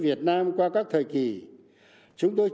việt nam qua các thời kỳ chúng tôi